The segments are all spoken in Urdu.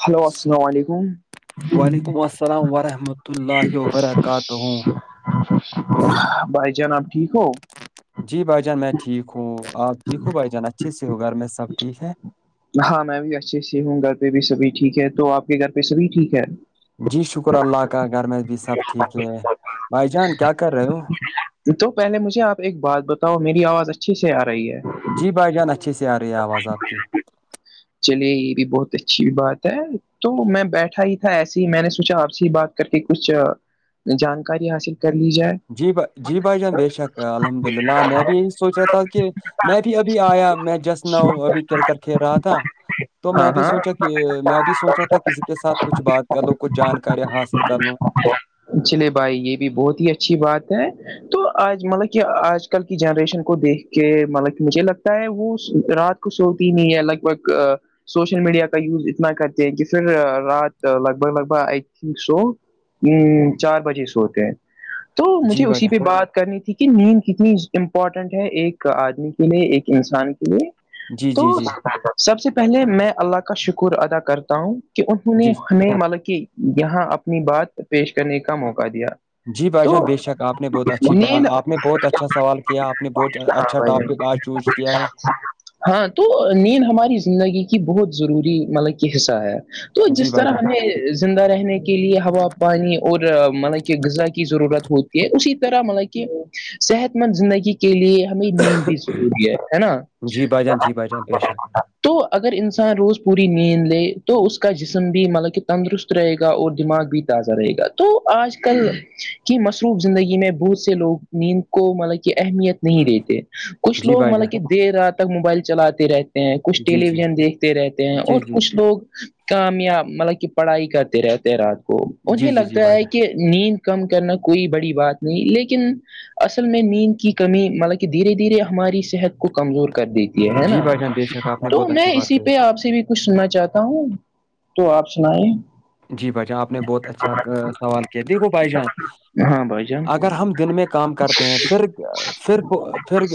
ہیلو السلام علیکم وعلیکم السلام ورحمۃ اللہ وبرکاتہ بھائی جانب ٹھیک ہو جی بھائی جان میں ٹھیک ہوں آپ ٹھیک ہوں بھائی جان اچھے سے ہو گھر میں سب ٹھیک ہے ہاں میں بھی اچھے سے ہوں گھر پہ بھی سبھی ٹھیک ہے تو آپ کے گھر پہ سبھی ٹھیک ہے جی شکر اللہ کا گھر میں بھی سب ٹھیک ہے بھائی جان کیا کر رہے ہو تو پہلے مجھے آپ ایک بات بتاؤ میری آواز اچھی سے آ رہی ہے جی بھائی جان اچھی اس ی رہ آواز آپ کی چلے یہ بھی بہت اچھی بات ہے تو میں بیٹھا ہی تھا ایسے ہی میں نے سوچا آپ سے بات کرتی کچھ جانکاری حاصل کر لی جائے جی بھائی جی بھائی جان بے شک ہے الحمد للہ میں بھی یہی سوچ رہا تھا کہ میں بھی ابھی آیا میں جس نہ ہ ابھی چل کر کھی رہا تھا تو میں ہاں بھی ہاں سوچا کہ میں بھی سوچا تھا کہ کسی کے ساتھ کچھ بات کر لو کچھ جانکارییاں حاصل کر لو چلے بھائی یہ بھی بہت ہی اچھی بات ہے تو آج مطلب کہ آج کل کی جنریشن کو دیکھ کے مطلب مجھے لگتا ہے وہ رات کچھ ہوتی نہیں ہے لگ بھگ سوشل میڈیا کا یوز اتنا کرتے ہیں کہ پھر رات لگ بھگ لگ بھگ سو چار بجے سوتے ہیں تو مجھے جی بھائی اسی پہ جان بات کرنی تھی کہ کہ نیند کتنی امپورٹنٹ ہے ایک آدمی کے لیے ایک انسان کے لیے جی تو جی جی سب سے پہلے میں اللہ کا شکر ادا کرتا ہوں کہ انہوں نے جی ہمیں ملب کہ یہاں اپنی بات پیش کرنے کا موقع دیا جی بھائی جان تو بے شک آپ نے بہت اچھی نیند آپ نے بہت اچھا سوال کیا آپ نے بہت ہاں اچھا بھائی جان ٹاپک آج چوز کیا ہے ہاں تو نین ہماری زندگی کی بہت ضروری مطلب کی حصہ ہے تو جی جس بھائی طرح جان ہمیں زندہ رہ کے لیے ہوا پانی اور مطلب کہ غذا کی ضرورت ہوتی اسی طرح مطلب کہ صحت مند زندگی کے لیے ہم نیند بھی ضروری ہے ہے نا جی بھائی جان جی بھائی جان بے شک تو اگر انسان روز پوری نیند لے تو اس کا جسم بھی مطلب کہ تندرست رہے گا اور دماغ بھی تازہ رہے گا تو آج کل کی مصروف زندگی میں بہت سے لوگ نیند کو مطلب کہ اہمیت نہیں دیتے کچھ جی لوگ بھائی مطلب کہ جان دیر رات تک موبائل چلاتے رہتے کچھ جی ٹیلی جی ویژن دیکھتے رہتے ہیں جی اور جی کچھ لوگ کامیاب مطلب کہ پڑھائی کرتے رہتے ہیں رات کو جی انہیں جی جی لگتا بھائی ہے جان کہ نیند کم کرنا کوئی بڑی بات نہیں لیکن اصل میں نیند کی کمی مطلب کہ دھیرے دھیرے ہماری صحت کو کمزور کر دیتی یہ ہے جی نا بھائی جان بے شک آپ نے تو بہت اچھی میں بات اسی پہ کہی آپ سے بھی کچھ سننا چاہتا ہوں تو آپ سنائیں جی بھائی جان آپ نے بہت اچھا سوال کیا دیکھو بھائی جان ہاں بھائی جان اگر ہم دن میں کام کرتے ہیں پھرھر پھر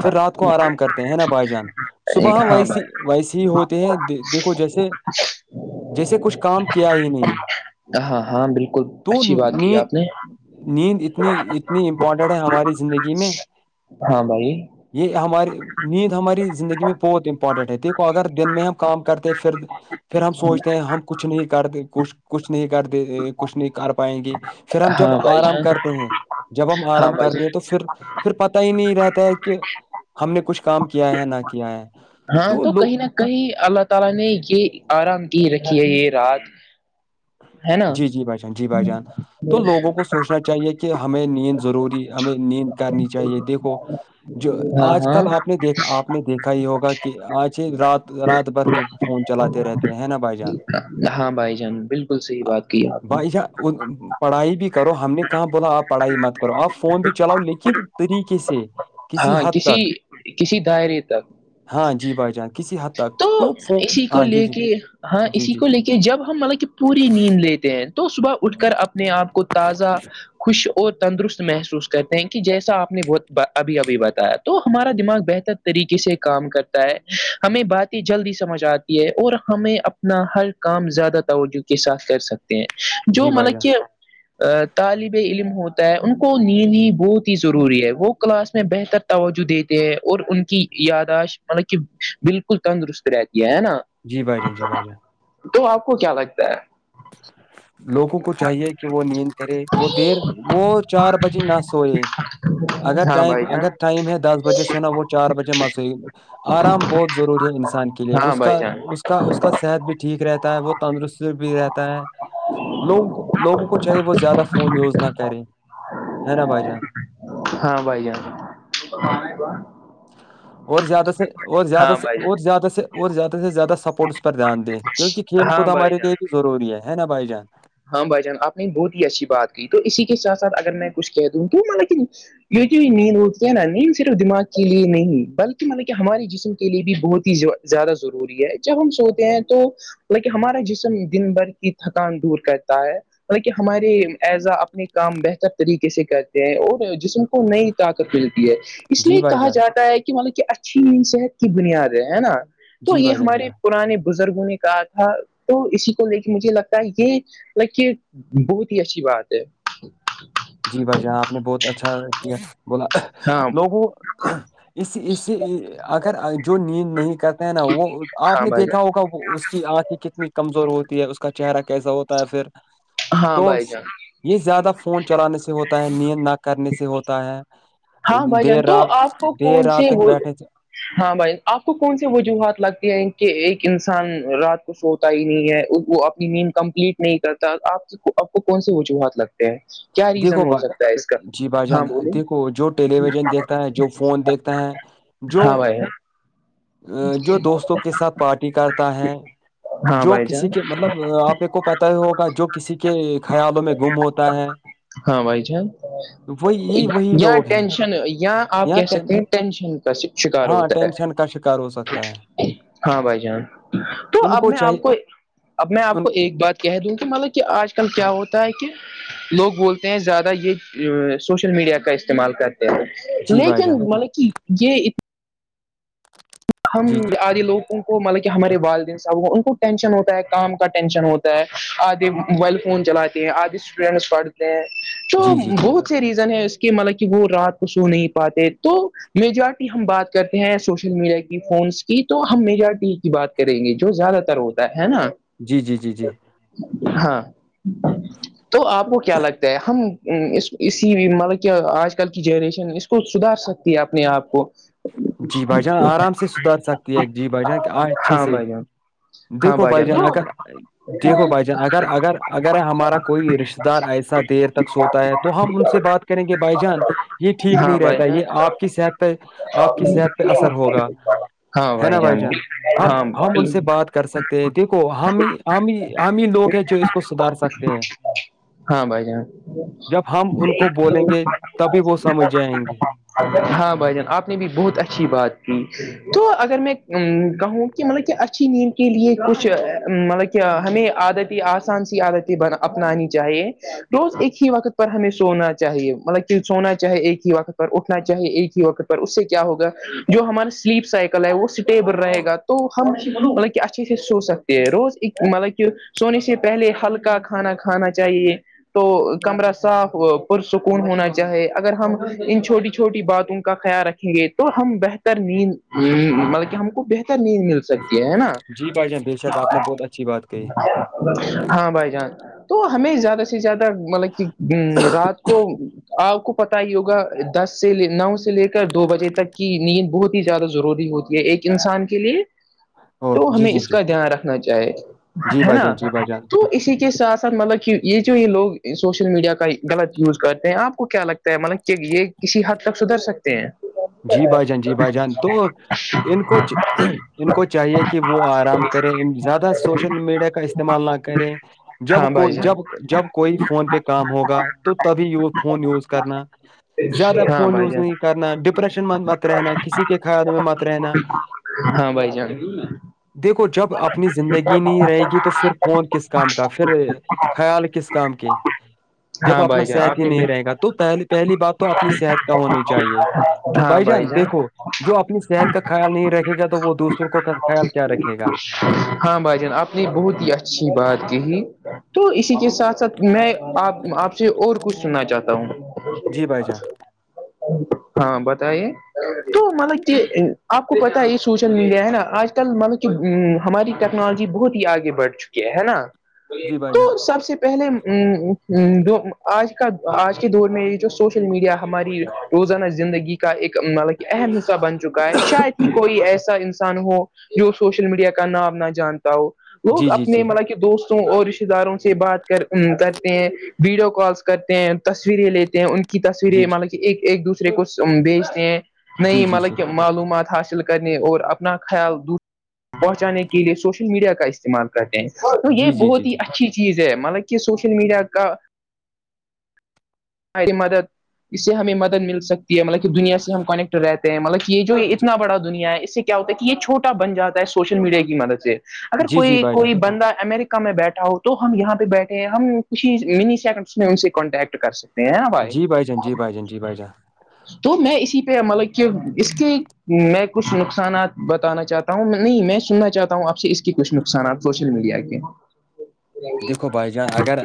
پھر رات کو آرام کرتے ہیں نا بھائی جان صبح ہاں ویسی بھائی ویسے ہی ہوتے ہیں دیکھو جیسے جیسے کچھ کام کیا ہی نہیں ہاں ہاں بالکل تو اچھی بات کی نیند آپ نے نیند اتنی اتنی امپورٹینٹ ہے ہماری زندگی میں ہاں بھائی یہ ہماری نیند ہماری زندگی میں بہت پٹٹ ہے دیکھو اگر دن میں ہم کام کرتے ہیں پھر پھر ہم سوچتے ہم کچھ نہیں کرتے کچھ کچھ نہیں کرتے کچھ نہیں کر پ پائیں گے پھر ہم جب ہاں بھائی آرام جان کرتے ہیں جب ہم ہاں آرام بھائی کرتے ہیں تو پھر پھر پتا ہی نہیں رہتا ہے کہ ہم نے کچھ کام کیا ہے نہ کیا ہے تو کہیں نہ کہیں اللہ تعالی نے یہ ارام کی رکھی ہے ہے نا جی جی بھائی جان جی بھائی جان تو لوگوں کو سوچنا چاہیے کہ ہمیں نیند ضروری ہمیں نیند کرنی چاہیے دیکھو جو ہاں آج ہاں کل آپ نے دیک آپ نے دیکھا ہی ہوگا کہ آج رات رات بھر فون چلاتے رہتے ہیں نا بھائی جان ہاں بھائی جان بالکل صحیح بات کی آپ بھائی ج پڑھائی بھی کرو ہم نے کہاں بولا آپ پڑھائی مت کرو آپ فون پہ چلاؤ لکھت طریقے سے کسی حد تک کسی دائرے تک ہاں جی بھائی جان کسی حد تک تو فون اسی کو ہاں جی لے جی کے ہاں جی اسی جی کو لے کے کہ جب ہم مطلب کہ پوری نیند لیتے ہیں تو صبح اٹھ کر اپنے آپ کو تازہ خوش اور تندرست محسوس کرتے ہیں کہ جیسا آپ نے بہت ابھی ابھی بتایا تو ہمارا دماغ بہتر طریقے سے کام کرتا ہے ہمیں باتیں جلدی سمجھ آتی ہے اور ہمیں اپنا ہر کام زیادہ توجہ کے ساتھ کر سکتے ہیں جو جی بھائی مطلب جان کہ طالب علم ہوتا ہے ان کو نیند ہی بہت ہی ضروری ہے وہ کلاس میں بہتر توجہ دیتے ہیں اور ان کی یاداشت مطلب کہ بالکل تندرست رہتی ہے نا جی بائی جان جی بائی جان تو آپ کو کیا لگتا ہے [unintelligible] لوگوں کو چاہیے کہ وہ نیند کررے وہ دیر وہ چار بجے نہ سوئے اگر ہاں ٹائم بھائی جان اگر ٹائم ہے دس بجے سےونا وہ چار بجے مت سے آرام بہت ضروری ہے انسان کے لیے ہاں اس کا بھائی جان اس کا اس کا صحت بھی ٹھیک رہتا ہے وہ تندرست بھی رہتا لوگوں کو لوگوں کو چاہے وہ زیادہ فون یوز نہ کریں ہے نا بھ جان ہاں بھائی جان اور زیادہ سے اور زیادہ ہاں سے بھائی اور جان زیادہ سے اور زیادہ سے زیادہ سپورٹس پر دھیان دیں کیونکہ کھیل کود ہاں بھائی جان ہمارے لیے بھی ضروری ہے نا بھائی جان ہاں بائی جان آ نے بہت ہی اچھی بات کی تو اسی کے سات ساتھ اگر میں کچھ کہ دوں تو ما ی جو نیند ہوتی ہے نا نیند صرف دماغ کے لیے نہیں بلکہ مطلب کہ ہمارے جسم کے لیے بھی بہت ہی زیادہ ضروری ہے جب ہم سوتے ہیں تو لیک ہمارا جسم دن بھر کی تھکان دور کہتا ہے ح کہ ہمارے ایزا اپنے کام بہتر طریقے سے کرتے ہیں اور جسم کو نئی آ کر ملتی ہے اس جی لیے بھائی کہا جان جاتا ہے کہ مطلب کہ اچھی صحت کی بنیاد ہے نا تو جی یہ بھائی جان جی بھائی ہمارے پرانے بزرگوں نے کہا تھا تو اسی کو لے کے مجھے لگتا ہے یہ لائک یہ بہت ہی اچھی بات ہے جی بھائی جان آپ نے بہت اچھا کیا بولا ہاں لوگوں اس اس سے اگر جو نیند نہیں کرتے ہے نا وہ آپ ہاں نے بھائی دیکھا جان ہوگا اس کی آنکھیں کتنی کمزور ہوتی ہے اس کا چہرہ کیسا ہوتا ہے پھر ہاں تو بھائی جان یہ زیادہ فون چلانے سے ہوتا ہے نیت نہ کرنے سے ہوتا ہے ہاں بھائی جان دیر تو آپ رات کو دیر کون سے رات تک ہو بیٹھے سے ہاں بھائی آپ کو کون سی وجوہات لگتی ہیں کہ ایک انسان رات کو سو ہو ہی نہیں ہے وہ اپنی نید کمپلیٹ نہیں کرتا آپ آپ کو کون سےی وجوہات لگتے ہیں کیا ریزن دیکھو ہو با سکتا ہے اس کا جی بھائی ہاں جان بولیے دیکھو جو ٹیلی ویژن دیکھتا ہے جو فون دیکھتا ہے جو ہاں بھائی ا جو دوستوں کے ساتھ پارٹی کرتا ہے ہاں جو بھائی کسی جان کے مطلب آپ کو پتا ہی ہوگا جو کسی کے خیالوں میں گم ہوتا ہے ہاں بھائی جان وہی یہ وہی اں لوگ ہیں ٹینشن اں آپ یہاں کہہ ٹین سکتے ہیں ٹینشن کاس ہاں ٹینشن کا شکار ہو سکتا ہے ہاں بھائی جان تو ان اب میں آپ چاہیے کو اب میں آپ ان کو ایک بات کہہ دوں کہ مطلب کہ آج کل کیا ہوتا ہے کہ لوگ بولتے ہیں زیادہ یہ سوشل میڈیا کا استعمال کرتے ہیں جی بھائی لیکن جان مطلب کہ یہ اتنا ہم جی آدے لوگ ان کو مطلب کہ ہمارے والدین صاحب ان کو ٹینشن ہوتا ہے کام کا ٹینشن ہوتا ہے آدے موبائل فون چلاتے آج اسٹوڈینٹس پڑھتے ہیں جو جی جی جی بہت اچھ ریزن ہے اس کے مطلب کہ وہ رات کو سو نہیں پاتے تو میجورٹی ہم بات کرتے ہیں سوشل میڈیا کی فونس کی تو ہم میجارٹی کی بات کریں گے جو زیادہ تر ہوتا ہے ہے نا جی جی جی جی ہاں تو آپ کو کیا لگتا ہے ہم اسی مطلب کہ آج کل کی جنریشن اس کو سدھار سکتی ہے اپنے آپ کو جی بھائی جان آرام سے سدھر سکتی ہے جی بھائی جان آج ہاں بھائی جان دیکھو بھائی جان اگر دیکھو بھائی جان اگر اگر اگر ہمارا کوئی رشہ دار ایسا دیر تک سوتا ہے تو ہم ان سے بات کریں گے بھائی جان یہ ٹھیک ہاں نہیں بھائی رہتا جان یہ آپ کی صحت پہ آپ کی صحت پہ اثر ہوگا ہے نا بھائی جان ہم ہاں ہم ان سے بات کر سکتے ہیں دیکھو ہمی ہمی عام ہی لوگ ہیں جو اس کو سدھار سکتے ہیں ہاں بھائی جان جب ہم ان کو بولیں گے تبھی وہ سمجھ جائیں گے ہاں بھائی جان آپ نے بھی بہت اچھی بات کی تو اگر میں کہوں کہ مطلب کہ اچھی نیند کے لیے کچھ مطلب ہمیں عادتیں آسان سی عادتیں اپنانی چاہیے روز ایک ہی وقت ہمیں سونا چاہیے مطلب کہ سونا چاہے ایک ہی وقت پر اٹھنا چاہے ایک ہی وقت پر اس سے کیا ہوگا جو ہمارے سلیپ سائیکل ہے وہ اسٹیبل رہے گا تو ہم مطلب کہ اچھے سے سو سکتے ہیں روز ایک مطلب کہ سونے سے پہلے ہلکا کھانا کھانا چاہیے تو کمرہ صاف پرسکون ہونا چاہے اگر ہم ان چھوٹی چھوٹی باتوں کا خیال رکھیں تو ہم بہتر نیند مط ہم کو بہتر نیند مل سکتی ہے ہے نا جی بھائی جان بے شک آپ نے بہت اچھی بات کہی ہاں بھائی جان تو ہمیں زیادہ سے زیادہ مطلب کہ رات کو آپ کو پت ہی ہوگا دس سے نو سے لے کر دو بجے تک کی نیند بہت ہی زیادہ ضروری ہوتی ہے ایک انسان کے لیے او تو جی ہمیں جی اس جی کا دھیان رکھنا چاہے جی ہے بھائی نا جان جی بھائی جان تو اسی کے ساتھ ساتھ مطلب یہ جو یہ لوگ سوشل میڈیا کا غلط یوز کرتے ہیں آپ کو کیا لگتا ہے مطلب کہ یہ کسی حد تک سدھر سکتے ہیں جی بھائی جان جی بھائی جان تو ان کو ان کو چاہیے کہ وہ آرام کریں زیادہ سوشل میڈیا کا استعمال نہ کریں جب ہاں بھائی کوئی جان جب جب کوئی فون پہ کام ہوگا تو تبھی فون یوز کرنا زیادہ ہاں فون بھائی یز جان نہیں یہ کرنا ڈپریشن م مت رہنا کسی کے خیال میں مت رہنا ہاں بھائی جان دیکھو جب اپنی زندگی نہیں رہے گی تو پھر کون کس کام کا پھر خیال کس کام کے جب ہاں اپنا بھائی جان صحت آپ ہی نے نہیں رہے گا تو پہ پہلی بات تو اپنی صحت کا ہونی چاہیے بھائی جان دیکھو جو اپنی صحت کا خیال نہیں رکھے گا تو وہ دوسروں کو خیال کیا رکھے گا ہاں بھائی جان آپ نے بہت ہی اچھی بات کہ تو اسی کے ساتھ ساتھ میں آپ آپ سے اور کچھ سننا چاہتا ہوں جی بھائی جان ہاں بتائیے تو مطلب کہ آپ کو پتہ یہ سوشل میڈیا ہے نا آج کل مانو کہ ہماری ٹیکنالوجی بہت ہی آگے بڑھ چکی کیا ہے نا جی بھائی تو جان سب سے پہلے ا آج کا آج کے دور میں سوشل میڈیا ہماری روزانہ زندگی کا ایک مطلب کہ اہم حصہ بن چکا ہے شاید کوئی ایسا انسان ہو جو سوشل میڈیا کا نام نہ جانتا ہو وہو جی جی اپنے جی مطلب دوستوں اور رشتے داروں سے بات کر کرتے ہیں ویڈیو کالس کرتے ہیں تصویریں لیتے ہیں ان کے کی تصویریں جی مطلب کہ ایک ایک دوسرے کو بیجتے ہیں جی نہیں جی مطل جی معلومات حاصل کرنے اور اپنا خیال دوسر پہنچانے کے لیے سوشل میڈیا کا استعمال کرتے ہیں تو یہ جی جی جی بہت ہی جی اچھی چیز ہے مل یہ سوشل میڈیا کا ہماری مدد اس سے ہمیں مدد مل سکتی ہے مطلب دنیا سے ہم کنیکٹ رہتے ہیں مطلب یہ جو جی اتنا بڑا دنیا ہے اس سے کیا ہوتا ہے کہ یہ چھوٹا بن جاتا ہے سوشل میڈیا کی مدد سے اگر جی جی کوئی بھائی جان کوئی بند امیرکا میں بیٹھا ہوں تو ہم یہاں پہ بیٹھے ہیں ہم کچھ ہی منی سیکنڈس میں ان سے کانٹیکٹ کر سکتے ہیں بھائی جی جان جی بھائی جان جی بھائی جان تو میں اسی پہ مطلب اس کے میں کچھ نقصانات بتانا چاہتا ہوں نہیں میں سننا چاہتا ہوں ہوں آپ سے اس کے کچھ نقصانات سوشل میڈیا کے دھو بھائی جان اگر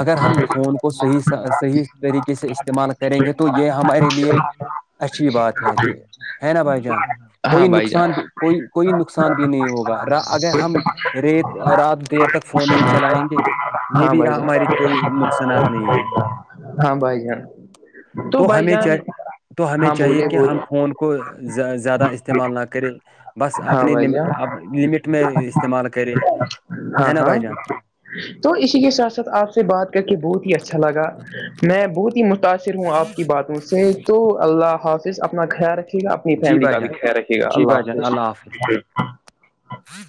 اگر ہم فون کو صحیحا صحیح طریقے سے استعمال کریں گے تو یہ ہمارے لیے ہاں اچھی بات ہے ہے نا بھائی جان ہاں کوئی بھائی جان نقصان بھی کوئی کوئی نقصان بھی نہیں ہوگا اگر ہم ریت رات دیر تک فون نہیں چلائیں گے یہ ہاں بھی بھائی ہماری کوئی جان نقصانات نہیں ہے ہاں بھائی جان تو بائی ہمیں جان چاہ تو ہمیں ہاں چاہیے بولے کہ ہم بولے فون کو زیادہ استعمال نہ کریں بس ہاں اپنے بھائی ل جان لمٹ میں استعمال کرے ہاں ہے نا ہاں بھائی جان تو اسی کے ساتھ ساتھ آپ سے بات کر کے بہت ہی اچھا لگا میں بہت ہی متاثر ہوں آپ کی باتوں سے تو اللہ حافظ اپنا خیال رکھے اپنی جی فیملی بھائی کا بھی جان خ رکے گا جی بھائی اللہ حافظ ہاں